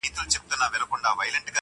عشق مي خوی عشق مي مسلک عشق مي عمل دی!